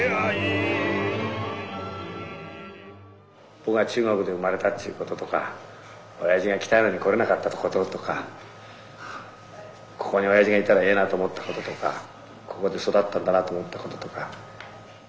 僕が中国で生まれたっていうこととか親父が来たいのに来れなかったこととかここに親父がいたらええなと思ったこととかここで育ったんだなと思ったこととか。